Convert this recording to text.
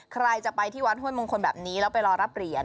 ใครจะไปที่วัดห้วยมงคลแบบนี้แล้วไปรอรับเหรียญ